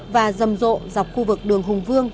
và rầm rộ dọc khu vực đường hùng vương